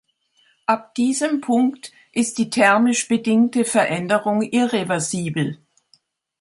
Ab diesem Punkt ist die thermisch bedingte Veränderung irreversibel.